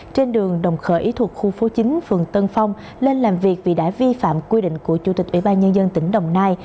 trên đường đồng khởi thuộc khu phố chín phường tân phong lên làm việc vì đã vi phạm quy định của chủ tịch ủy ban nhân dân tỉnh đồng nai